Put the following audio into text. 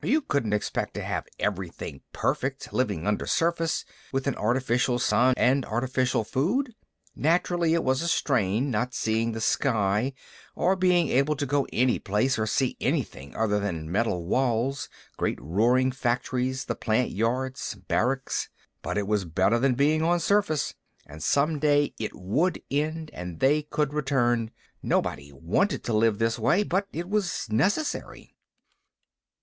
You couldn't expect to have everything perfect, living undersurface, with an artificial sun and artificial food. Naturally it was a strain, not seeing the sky or being able to go any place or see anything other than metal walls, great roaring factories, the plant yards, barracks. But it was better than being on surface. And some day it would end and they could return. Nobody wanted to live this way, but it was necessary.